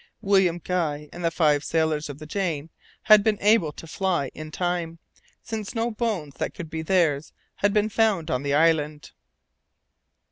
William Guy and the five sailors of the Jane had been able to fly in time, since no bones that could be theirs had been found on the island.